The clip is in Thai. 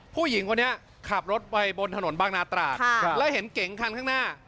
ผู้หญิงคนนี้ขับรถไปบนถนนบางนาตราดแล้วเห็นเก๋งคันข้างหน้า